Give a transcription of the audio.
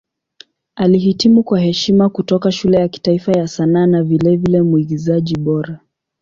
Alihitimu kwa heshima kutoka Shule ya Kitaifa ya Sanaa na vilevile Mwigizaji Bora.